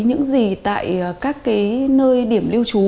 những gì tại các cái nơi điểm lưu trú